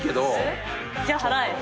じゃあ払え。